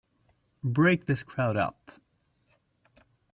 Break this crowd up!